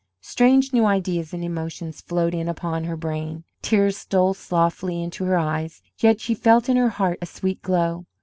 Strange new ideas and emotions flowed in upon her brain. Tears stole softly into her eyes, yet she felt in her heart a sweet glow.